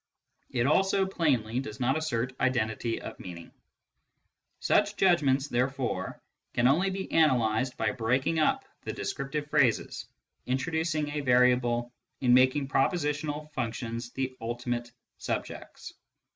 It also, plainly, does not assert identity of meaning. Such judgments, therefore, can only be analysed by breaking up the descriptive phrases, introducing a vari able, and making prepositional functions the ultimate subjects.